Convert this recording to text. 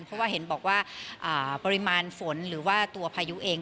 เพราะว่าเห็นบอกว่าปริมาณฝนหรือว่าตัวพายุเอง